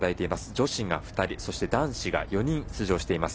女子が２人、男子が４人出場しています。